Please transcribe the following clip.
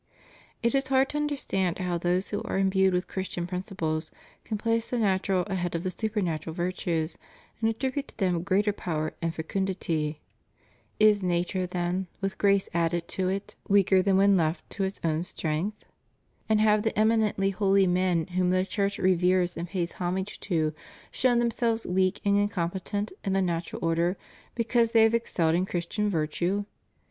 It is hard to understand how those who are imbued with Christian principles can place the natural ahead of the supernatural virtues, and attribute to them greater power and fecundity. Is nature, then, with grace ' Horn. i. in Inscr. altar. ' Act. Ap. c. is. 448 TRUE AND FALSE AMERICANISM IN RELIGION. added to it, weaker than when left to its own strength? and have the eminently holy men whom the Church reveres and pays homage to, shown themselves weak and incompetent in the natural order, because they have ex celled in Christian virtue?